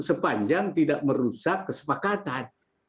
sepanjang tidak merusak kesepakatan